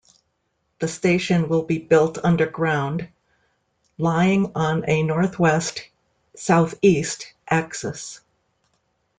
The station will be built underground, lying on a northwest-southeast axis.